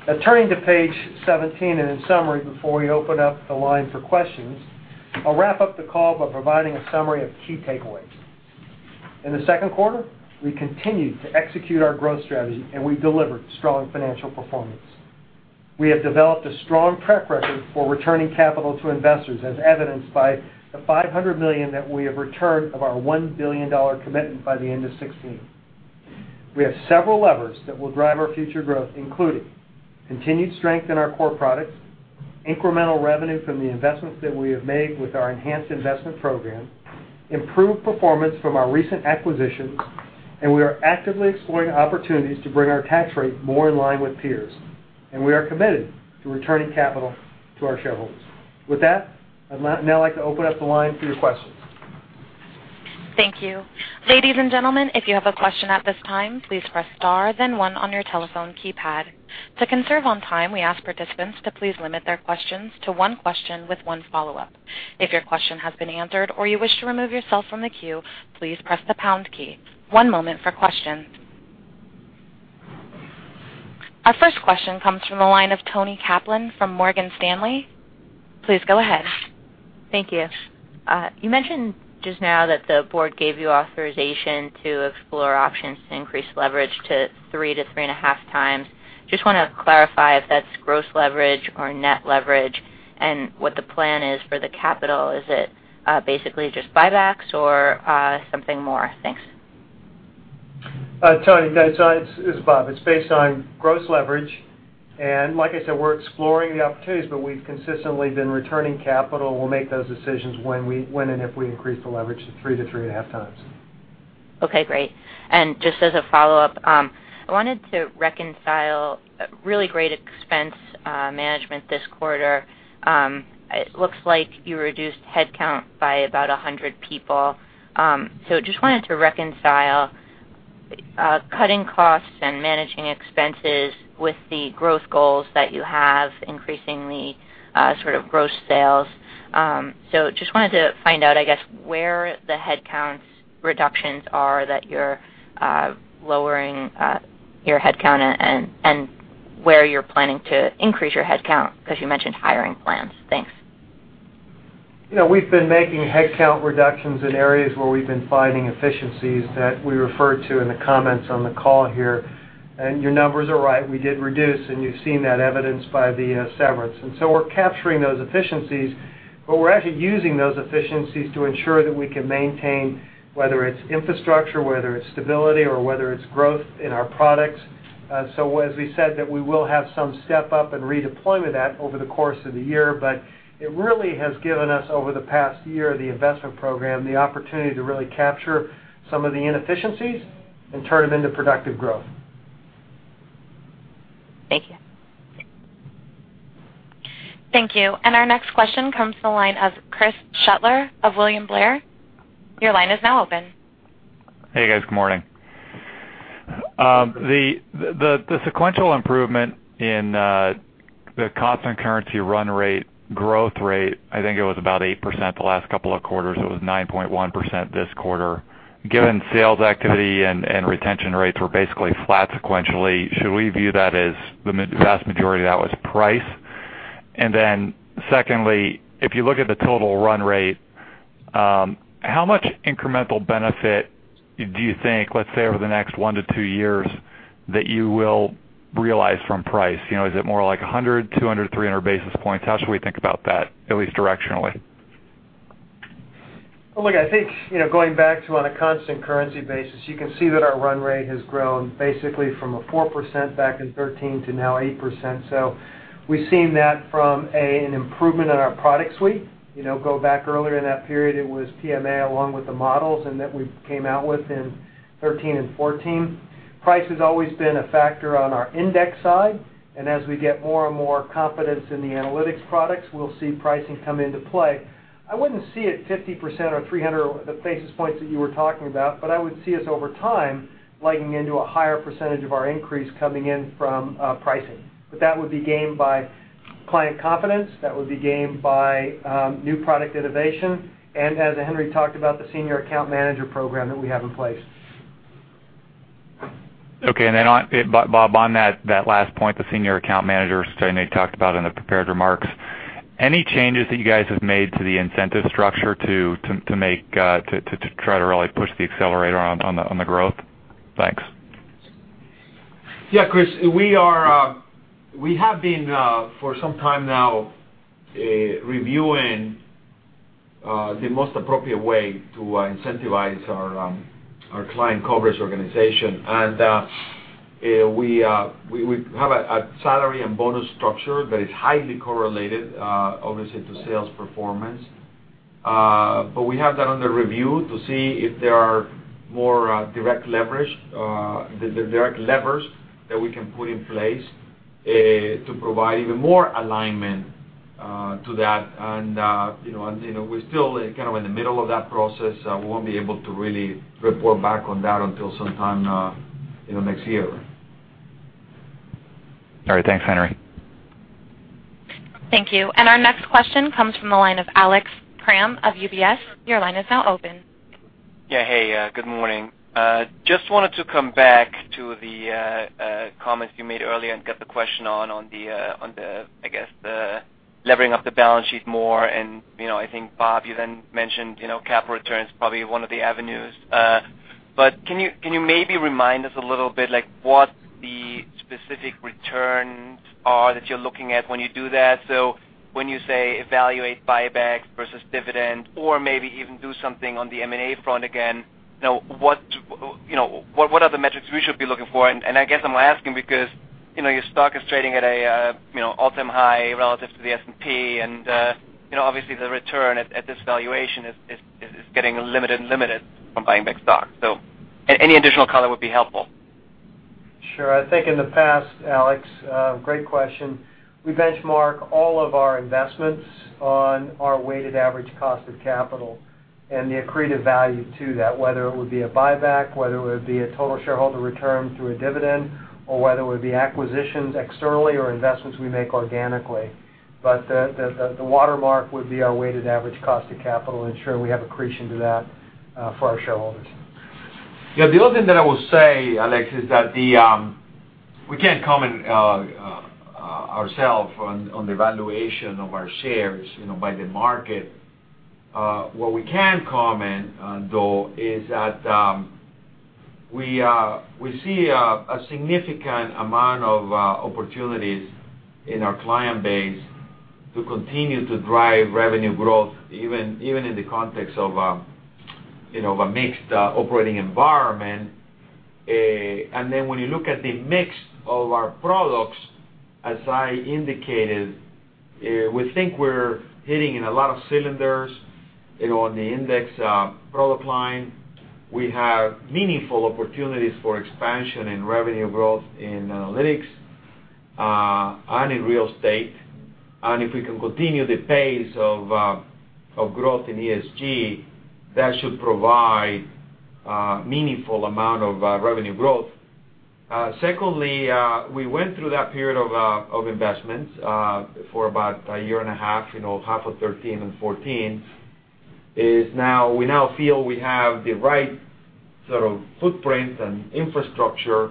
Now, turning to page 17, in summary, before we open up the line for questions, I'll wrap up the call by providing a summary of key takeaways. In the second quarter, we continued to execute our growth strategy, and we delivered strong financial performance. We have developed a strong track record for returning capital to investors, as evidenced by the $500 million that we have returned of our $1 billion commitment by the end of 2016. We have several levers that will drive our future growth, including continued strength in our core products, incremental revenue from the investments that we have made with our enhanced investment program, improved performance from our recent acquisitions, and we are actively exploring opportunities to bring our tax rate more in line with peers. We are committed to returning capital to our shareholders. With that, I'd now like to open up the line for your questions. Thank you. Ladies and gentlemen, if you have a question at this time, please press star then 1 on your telephone keypad. To conserve on time, we ask participants to please limit their questions to one question with one follow-up. If your question has been answered or you wish to remove yourself from the queue, please press the pound key. One moment for questions. Our first question comes from the line of Toni Kaplan from Morgan Stanley. Please go ahead. Thank you. You mentioned just now that the board gave you authorization to explore options to increase leverage to 3 to 3.5 times. Just want to clarify if that's gross leverage or net leverage and what the plan is for the capital. Is it basically just buybacks or something more? Thanks. Toni, guys, it's Bob. It's based on gross leverage. Like I said, we're exploring the opportunities, but we've consistently been returning capital. We'll make those decisions when and if we increase the leverage to 3 to 3.5 times. Okay, great. Just as a follow-up, I wanted to reconcile really great expense management this quarter. It looks like you reduced headcount by about 100 people. Just wanted to reconcile cutting costs and managing expenses with the growth goals that you have, increasingly sort of gross sales. Just wanted to find out, I guess, where the headcount reductions are that you're lowering your headcount and where you're planning to increase your headcount, because you mentioned hiring plans. Thanks. We've been making headcount reductions in areas where we've been finding efficiencies that we referred to in the comments on the call here. Your numbers are right, we did reduce, and you've seen that evidenced by the severance. We're capturing those efficiencies, but we're actually using those efficiencies to ensure that we can maintain, whether it's infrastructure, whether it's stability, or whether it's growth in our products. As we said that we will have some step-up and redeployment of that over the course of the year, but it really has given us, over the past year, the investment program, the opportunity to really capture some of the inefficiencies and turn them into productive growth. Thank you. Thank you. Our next question comes from the line of Chris Shutler of William Blair. Your line is now open. Hey, guys. Good morning. The sequential improvement in the constant currency run rate growth rate, I think it was about 8% the last couple of quarters. It was 9.1% this quarter. Given sales activity and retention rates were basically flat sequentially, should we view that as the vast majority of that was price? Secondly, if you look at the total run rate, how much incremental benefit do you think, let's say over the next one to two years, that you will realize from price? Is it more like 100, 200, 300 basis points? How should we think about that, at least directionally? Look, I think, going back to on a constant currency basis, you can see that our run rate has grown basically from a 4% back in 2013 to now 8%. We've seen that from, A, an improvement in our product suite. Go back earlier in that period, it was PMA along with the models and that we came out with in 2013 and 2014. Price has always been a factor on our index side, and as we get more and more confidence in the analytics products, we'll see pricing come into play. I wouldn't see it 50% or 300 or the basis points that you were talking about, I would see us over time leading into a higher percentage of our increase coming in from pricing. That would be gained by client confidence. That would be gained by new product innovation and as Henry talked about, the senior account manager program that we have in place. Okay. Bob, on that last point, the senior account managers Toni talked about in the prepared remarks, any changes that you guys have made to the incentive structure to try to really push the accelerator on the growth? Thanks. Chris, we have been, for some time now, reviewing the most appropriate way to incentivize our client coverage organization. We have a salary and bonus structure that is highly correlated, obviously, to sales performance. We have that under review to see if there are more direct levers that we can put in place to provide even more alignment to that. We're still kind of in the middle of that process. We won't be able to really report back on that until sometime next year. All right. Thanks, Henry. Thank you. Our next question comes from the line of Alex Kramm of UBS. Your line is now open. Hey, good morning. Just wanted to come back to the comments you made earlier and get the question on the, I guess the levering up the balance sheet more. I think, Bob, you then mentioned capital return is probably one of the avenues. Can you maybe remind us a little bit what the specific returns are that you're looking at when you do that? When you say evaluate buyback versus dividend or maybe even do something on the M&A front again, what are the metrics we should be looking for? I guess I'm asking because your stock is trading at an all-time high relative to the S&P, obviously, the return at this valuation is getting limited and limited from buying back stock. Any additional color would be helpful. Sure. I think in the past, Alex, great question. We benchmark all of our investments on our weighted average cost of capital and the accretive value to that, whether it would be a buyback, whether it would be a total shareholder return through a dividend, or whether it would be acquisitions externally or investments we make organically. The watermark would be our weighted average cost of capital ensure we have accretion to that for our shareholders. Yeah. The other thing that I will say, Alex, is that we can't comment ourself on the valuation of our shares by the market. What we can comment though is that we see a significant amount of opportunities in our client base to continue to drive revenue growth, even in the context of a mixed operating environment. When you look at the mix of our products, as I indicated, we think we're hitting in a lot of cylinders on the Index product line. We have meaningful opportunities for expansion and revenue growth in Analytics, and in Real Estate. If we can continue the pace of growth in ESG, that should provide a meaningful amount of revenue growth. Secondly, we went through that period of investments for about a year and a half of 2013 and 2014. We now feel we have the right sort of footprint and infrastructure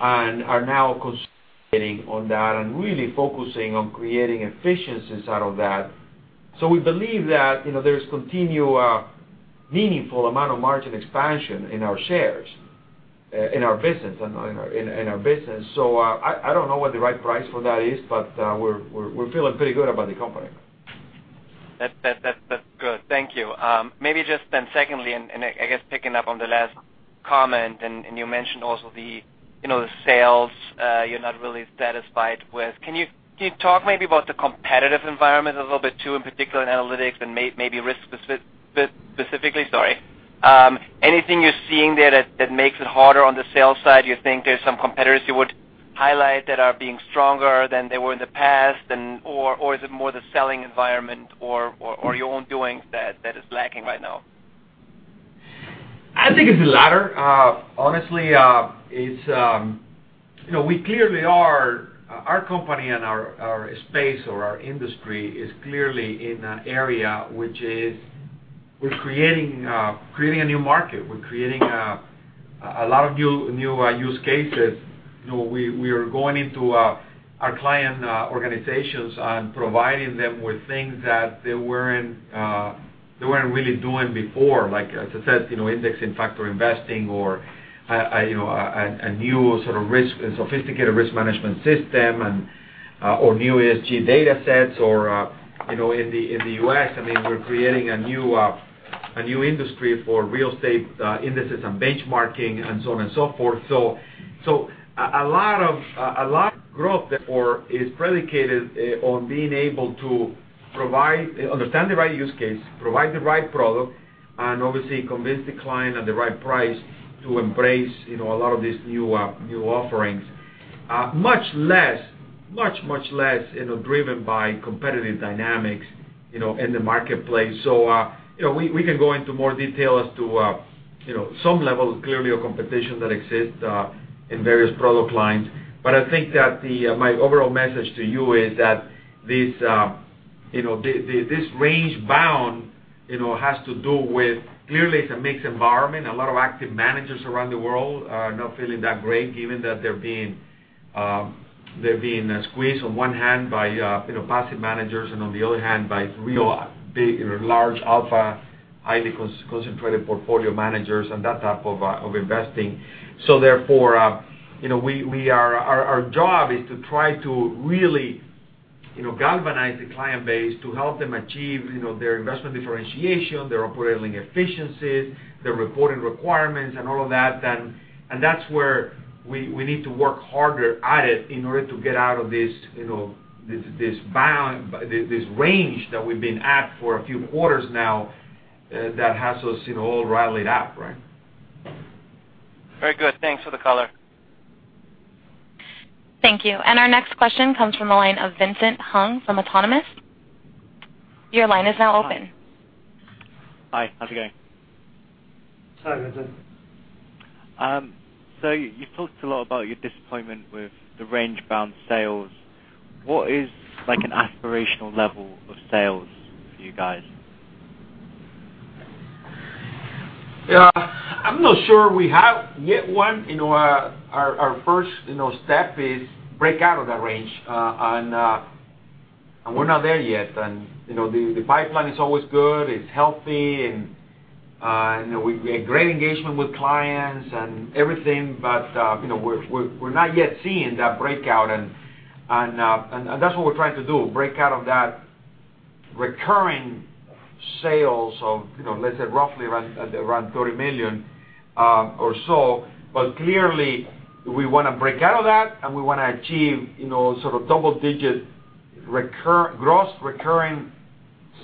and are now concentrating on that and really focusing on creating efficiencies out of that. We believe that there's continued meaningful amount of margin expansion in our shares, in our business. I don't know what the right price for that is, but we're feeling pretty good about the company. That's good. Thank you. Maybe just secondly, I guess picking up on the last comment, you mentioned also the sales you're not really satisfied with. Can you talk maybe about the competitive environment a little bit too, in particular in Analytics and maybe Risk specifically? Sorry. Anything you're seeing there that makes it harder on the sales side? You think there's some competitors you would highlight that are being stronger than they were in the past? Is it more the selling environment or your own doing that is lacking right now? I think it's the latter. Honestly, our company and our space or our industry is clearly in an area which is we're creating a new market. We're creating a lot of new use cases. We are going into our client organizations and providing them with things that they weren't really doing before, like, as I said, index and factor investing or a new sort of sophisticated risk management system or new ESG data sets. In the U.S., we're creating a new industry for real estate indices and benchmarking and so on and so forth. A lot of growth, therefore, is predicated on being able to understand the right use case, provide the right product, and obviously convince the client at the right price to embrace a lot of these new offerings. Much less driven by competitive dynamics in the marketplace. We can go into more detail as to some level, clearly, of competition that exists in various product lines. I think that my overall message to you is that this range bound has to do with clearly it's a mixed environment. A lot of active managers around the world are not feeling that great given that they're being squeezed on one hand by passive managers and on the other hand by real big, large alpha, highly concentrated portfolio managers and that type of investing. Therefore, our job is to try to really galvanize the client base to help them achieve their investment differentiation, their operating efficiencies, their reporting requirements, and all of that. That's where we need to work harder at it in order to get out of this bound, this range that we've been at for a few quarters now that has us all rallied up, right? Very good. Thanks for the color. Thank you. Our next question comes from the line of Vincent Hung from Autonomous. Your line is now open. Hi. How's it going? Hi, Vincent. You talked a lot about your disappointment with the range-bound sales. What is an aspirational level of sales for you guys? I'm not sure we have yet one. Our first step is break out of that range. We're not there yet. The pipeline is always good. It's healthy, and we have great engagement with clients and everything, but we're not yet seeing that breakout. That's what we're trying to do, break out of that recurring sales of, let's say, roughly around $30 million or so. Clearly we want to break out of that, and we want to achieve sort of double-digit gross recurring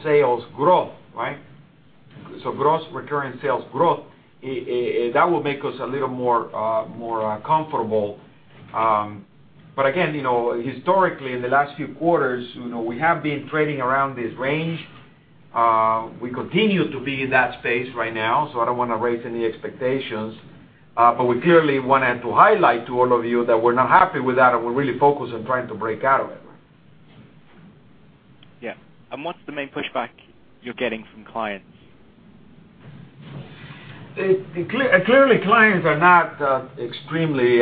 sales growth, right? Gross recurring sales growth, that will make us a little more comfortable. Again, historically in the last few quarters, we have been trading around this range. We continue to be in that space right now, so I don't want to raise any expectations. Clearly we wanted to highlight to all of you that we're not happy with that, and we're really focused on trying to break out of it. Yeah. What's the main pushback you're getting from clients? Clearly, clients are not extremely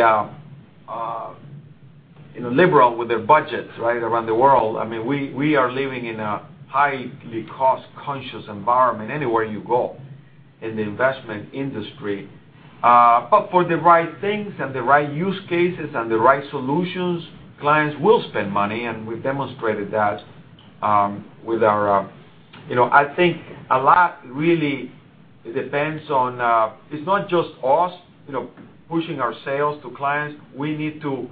liberal with their budgets around the world. We are living in a highly cost-conscious environment anywhere you go in the investment industry. For the right things and the right use cases and the right solutions, clients will spend money, and we've demonstrated that. I think a lot really depends on, it's not just us pushing our sales to clients. We need to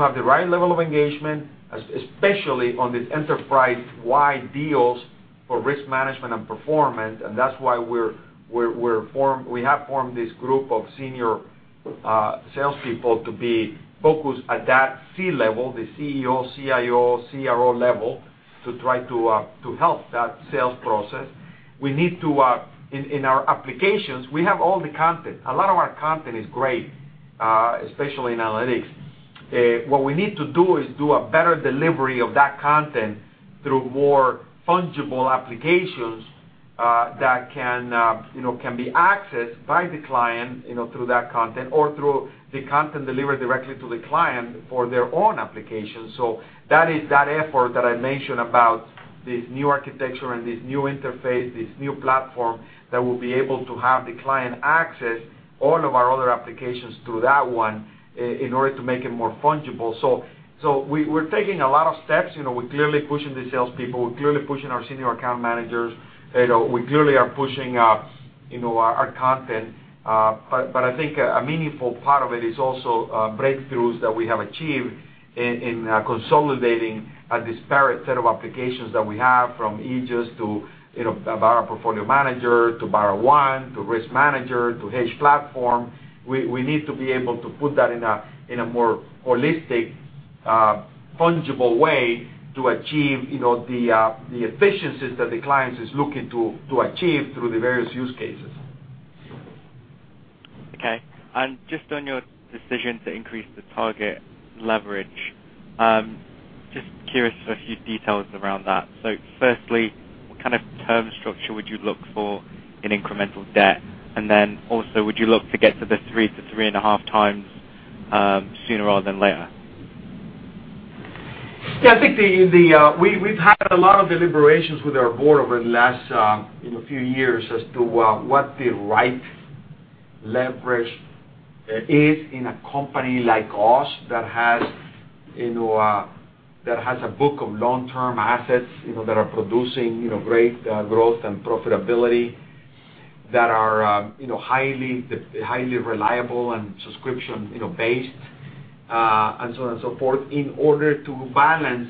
have the right level of engagement, especially on the enterprise-wide deals for risk management and performance. That's why we have formed this group of senior salespeople to be focused at that C level, the CEO, CIO, CRO level, to try to help that sales process. In our applications, we have all the content. A lot of our content is great, especially in analytics. What we need to do is do a better delivery of that content through more fungible applications that can be accessed by the client through that content or through the content delivered directly to the client for their own application. That is that effort that I mentioned about this new architecture and this new interface, this new platform that will be able to have the client access all of our other applications through that one in order to make it more fungible. We're taking a lot of steps. We're clearly pushing the salespeople. We're clearly pushing our senior account managers. We clearly are pushing our content. I think a meaningful part of it is also breakthroughs that we have achieved in consolidating a disparate set of applications that we have from Aegis to our Barra Portfolio Manager to BarraOne to RiskManager to HedgePlatform. We need to be able to put that in a more holistic, fungible way to achieve the efficiencies that the client is looking to achieve through the various use cases. Okay. Just on your decision to increase the target leverage, just curious for a few details around that. Firstly, what kind of term structure would you look for in incremental debt? Then also, would you look to get to the 3 to 3.5 times sooner rather than later? Yeah, I think we've had a lot of deliberations with our board over the last few years as to what the right leverage is in a company like us that has a book of long-term assets that are producing great growth and profitability, that are highly reliable and subscription-based, and so on and so forth, in order to balance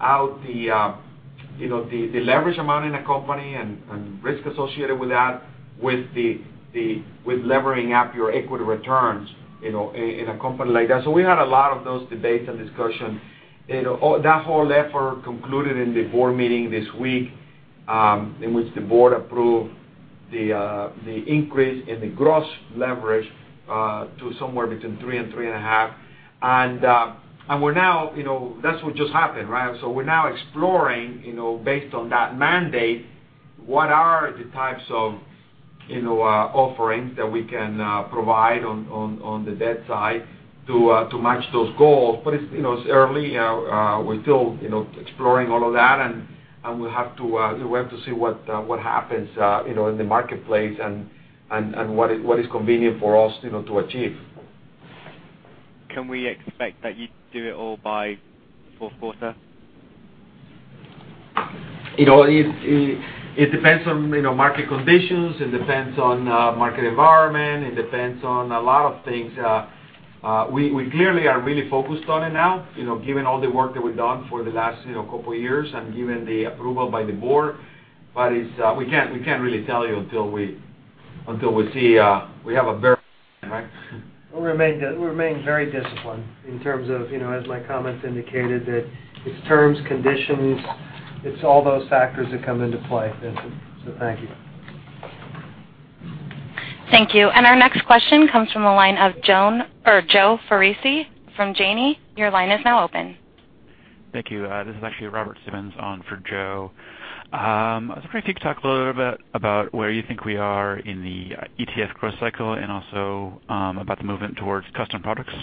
out the leverage amount in a company and risk associated with that, with levering up your equity returns in a company like that. We had a lot of those debates and discussion. That whole effort concluded in the board meeting this week, in which the board approved the increase in the gross leverage to somewhere between 3 and 3.5. That's what just happened, right? We're now exploring, based on that mandate, what are the types of offerings that we can provide on the debt side to match those goals. It's early. We're still exploring all of that, and we have to see what happens in the marketplace and what is convenient for us to achieve. Can we expect that you'd do it all by fourth quarter? It depends on market conditions. It depends on market environment. It depends on a lot of things. We clearly are really focused on it now, given all the work that we've done for the last couple of years and given the approval by the board. We can't really tell you until we have a. We'll remain very disciplined in terms of, as my comments indicated, that it's terms, conditions, it's all those factors that come into play, Vincent. Thank you. Thank you. Our next question comes from the line of Joseph Foresi from Janney. Your line is now open. Thank you. This is actually Robert Simmons on for Joe. I was wondering if you could talk a little bit about where you think we are in the ETF growth cycle and also about the movement towards custom products.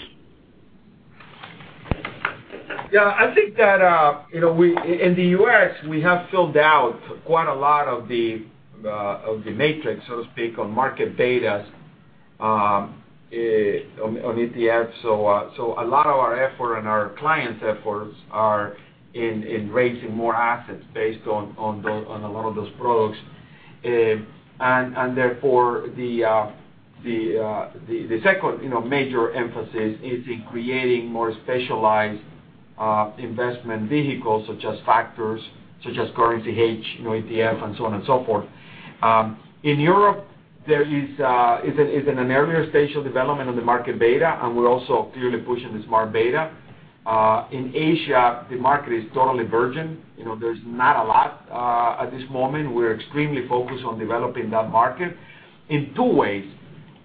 I think that in the U.S., we have filled out quite a lot of the matrix, so to speak, on market betas on ETFs. A lot of our effort and our clients' efforts are in raising more assets based on a lot of those products. Therefore, the second major emphasis is in creating more specialized investment vehicles, such as factors, such as Currency Hedged ETFs, and so on and so forth. In Europe, it's in an earlier stage of development of the market beta, we're also clearly pushing the smart beta. In Asia, the market is totally virgin. There's not a lot at this moment. We're extremely focused on developing that market in two ways.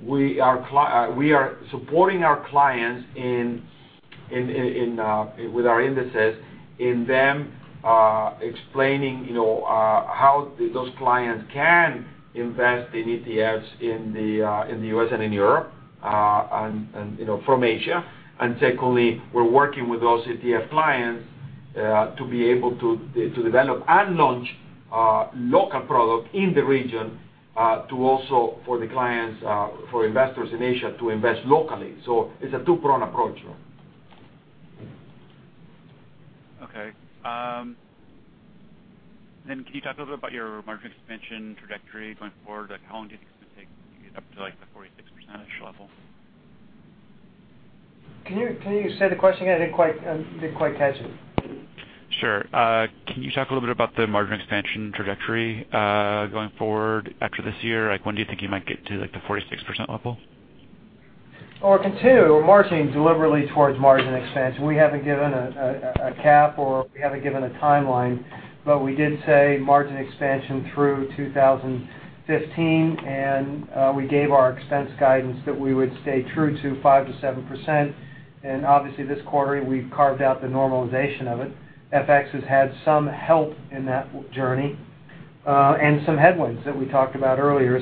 We are supporting our clients with our indices, in them explaining how those clients can invest in ETFs in the U.S. and in Europe from Asia. Secondly, we're working with those ETF clients To be able to develop and launch local product in the region, to also for the clients, for investors in Asia to invest locally. It's a two-pronged approach. Okay. Can you talk a little bit about your margin expansion trajectory going forward? How long do you think it's going to take to get up to the 46% ish level? Can you say the question again? I didn't quite catch it. Sure. Can you talk a little bit about the margin expansion trajectory, going forward after this year? When do you think you might get to the 46% level? We're marching deliberately towards margin expansion. We haven't given a cap, or we haven't given a timeline, but we did say margin expansion through 2015, and we gave our expense guidance that we would stay true to 5%-7%. Obviously this quarter we've carved out the normalization of it. FX has had some help in that journey, some headwinds that we talked about earlier.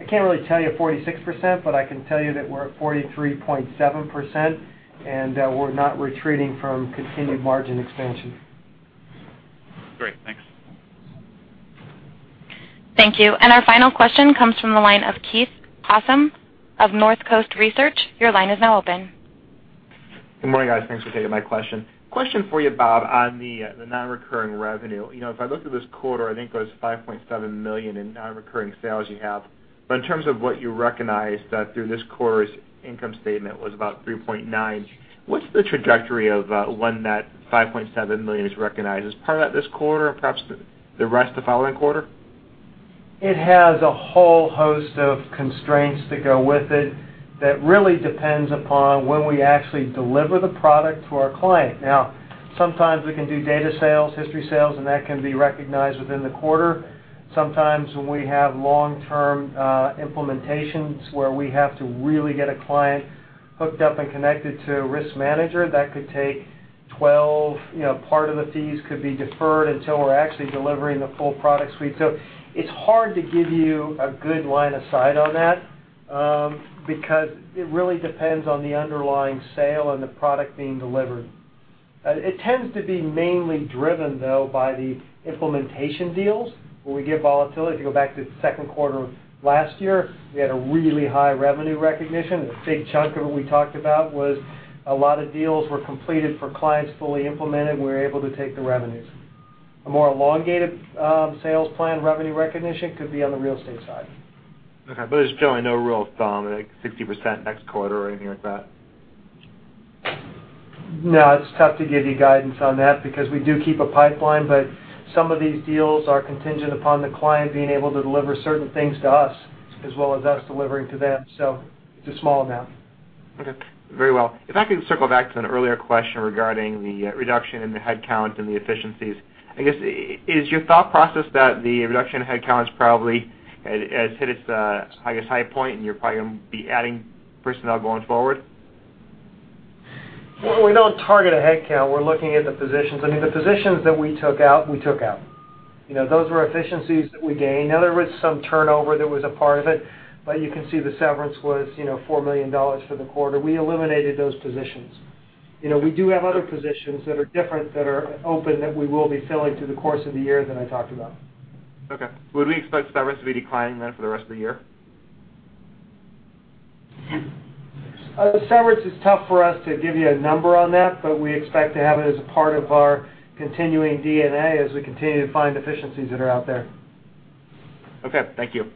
I can't really tell you 46%, but I can tell you that we're at 43.7%, and we're not retreating from continued margin expansion. Great. Thanks. Thank you. Our final question comes from the line of Keith Housum of Northcoast Research. Your line is now open. Good morning, guys. Thanks for taking my question. Question for you, Bob, on the non-recurring revenue. If I looked at this quarter, I think there was $5.7 million in non-recurring sales you have. In terms of what you recognized through this quarter's income statement was about $3.9. What's the trajectory of when that $5.7 million is recognized? Is part of that this quarter or perhaps the rest the following quarter? It has a whole host of constraints that go with it that really depends upon when we actually deliver the product to our client. Sometimes we can do data sales, history sales, and that can be recognized within the quarter. Sometimes when we have long-term implementations where we have to really get a client hooked up and connected to a RiskManager, part of the fees could be deferred until we're actually delivering the full product suite. It's hard to give you a good line of sight on that, because it really depends on the underlying sale and the product being delivered. It tends to be mainly driven though by the implementation deals where we get volatility. To go back to the second quarter of last year, we had a really high revenue recognition. A big chunk of what we talked about was a lot of deals were completed for clients fully implemented, and we were able to take the revenues. A more elongated sales plan revenue recognition could be on the real estate side. Okay. There's generally no real thumb, like 60% next quarter or anything like that? No, it's tough to give you guidance on that because we do keep a pipeline, but some of these deals are contingent upon the client being able to deliver certain things to us as well as us delivering to them. It's a small amount. Okay, very well. If I could circle back to an earlier question regarding the reduction in the headcount and the efficiencies. I guess, is your thought process that the reduction in headcounts probably has hit its highest high point, and you're probably going to be adding personnel going forward? Well, we don't target a headcount. We're looking at the positions. I mean, the positions that we took out. Those were efficiencies that we gained. Now, there was some turnover that was a part of it, but you can see the severance was $4 million for the quarter. We eliminated those positions. We do have other positions that are different that are open that we will be filling through the course of the year that I talked about. Okay. Would we expect severance to be declining then for the rest of the year? Severance is tough for us to give you a number on that, but we expect to have it as a part of our continuing DNA as we continue to find efficiencies that are out there. Okay. Thank you.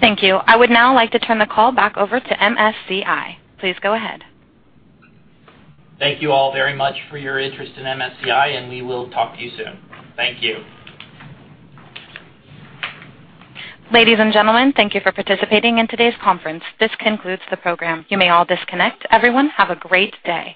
Thank you. I would now like to turn the call back over to MSCI. Please go ahead. Thank you all very much for your interest in MSCI, and we will talk to you soon. Thank you. Ladies and gentlemen, thank you for participating in today's conference. This concludes the program. You may all disconnect. Everyone, have a great day.